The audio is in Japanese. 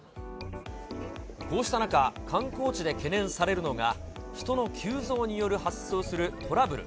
こうした中、観光地で懸念されるのが、人の急増により発生するトラブル。